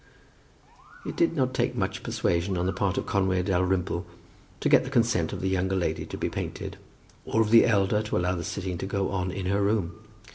It did not take much persuasion on the part of Conway Dalrymple to get the consent of the younger lady to be painted, or of the elder to allow the sitting to go on in her room.